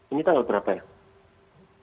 ini tanggal berapa ya